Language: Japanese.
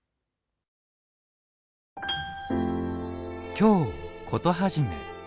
「京コトはじめ」。